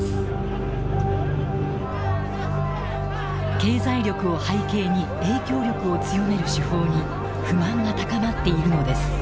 経済力を背景に影響力を強める手法に不満が高まっているのです。